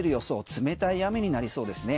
冷たい雨になりそうですね。